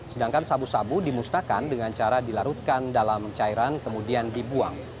sedangkan sabu sabu dimusnahkan dengan cara dilarutkan dalam cairan kemudian dibuang